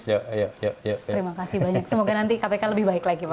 terima kasih banyak semoga nanti kpk lebih baik lagi pak